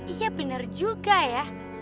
iya bener juga ya